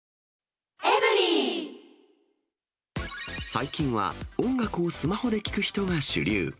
最近は、音楽をスマホで聴く人が主流。